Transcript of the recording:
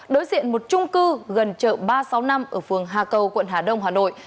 đối diện một trung cư gần chợ ba trăm sáu mươi năm ở phường hà câu quận hà đông hà nội